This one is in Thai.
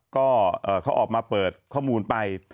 ก็เขาออกมาเปิดข้อมูลไป